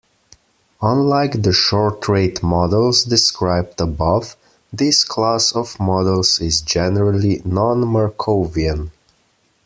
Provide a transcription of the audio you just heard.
Unlike the short rate models described above, this class of models is generally non-Markovian.